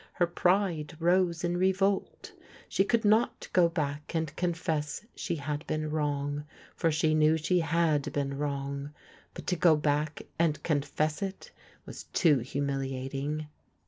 Her pride rose in revolt. She could not go back and confess she had been wrong — for she knew she had been wrong. But to go back and confess it was too humiliating.